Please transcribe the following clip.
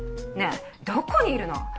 ねえどこにいるの？